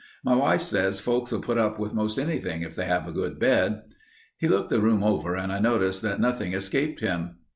My wife says folks'll put up with most anything if they have a good bed." He looked the room over and I noticed that nothing escaped him.